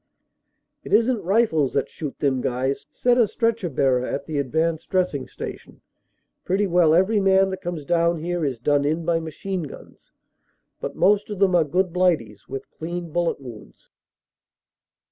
"It isn t rifles that shoot them guys," said a stretcher bearer at the Advanced Dressing Station. "Pretty well every man that comes down here is done in by machine guns. But most of them are good blighties, with clean bullet wounds."